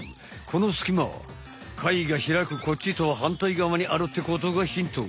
このスキマ貝がひらくこっちとははんたい側にあるってことがヒント。